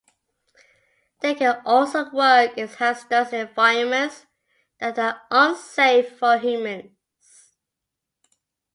They can also work in hazardous environments that are unsafe for humans.